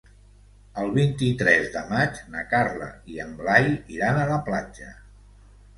El vint-i-tres de maig na Carla i en Blai iran a la platja.